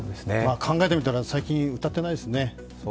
考えてみたら最近歌ってないですね。